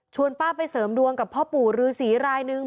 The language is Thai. ป้าไปเสริมดวงกับพ่อปู่ฤษีรายนึง